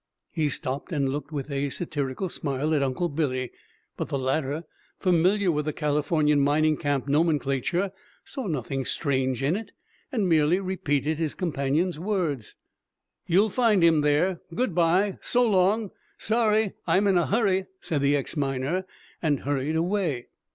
He stopped and looked with a satirical smile at Uncle Billy. But the latter, familiar with Californian mining camp nomenclature, saw nothing strange in it, and merely repeated his companion's words. "You'll find him there! Good by! So long! Sorry I'm in a hurry," said the ex miner, and hurried away.